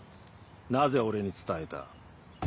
なぜ俺に伝えた？